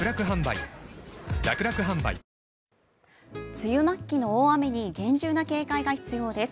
梅雨末期の大雨に厳重な警戒が必要です。